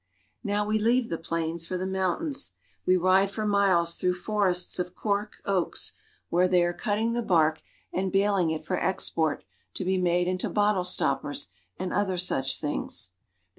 I Now we leave the plains for the mountains. We ride for miles through forests of cork oaks, where they are cutting the bark and baling it for export to be made into bottle stoppers and other such things.